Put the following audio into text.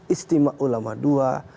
istimewa ulama dua